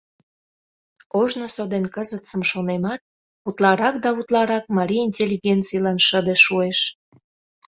Ожнысо ден кызытсым шонемат, утларак да утларак марий интеллигенцийлан шыде шуэш.